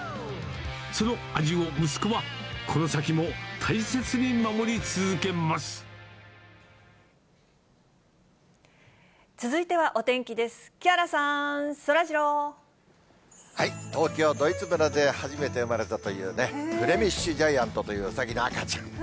その味を息子はこの先も大切に守東京ドイツ村で初めて産まれたというね、フレミッシュジャイアントというウサギの赤ちゃん。